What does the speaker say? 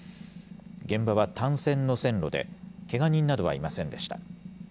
現場は単線の線路で、けが人などはいませんでした。